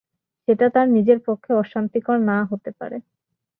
সেটা তার নিজের পক্ষে অশান্তিকর না হতে পারে।